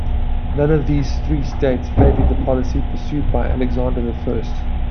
None of these three states favored the policy pursued by Alexander the First.